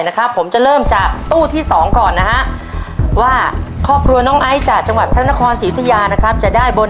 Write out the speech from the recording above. น้ำมันน้ำมันน้ำมันน้ำมันน้ำมันน้ำมันน้ำมันน้ำมันน้ำมัน